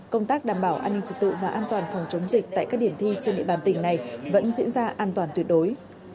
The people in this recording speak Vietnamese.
công tác đảm bảo an ninh trật tự và an toàn phòng chống dịch tại các điểm thi trên địa bàn tỉnh này vẫn diễn ra an toàn tuyệt đối